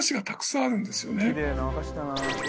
きれいな和菓子だなあ。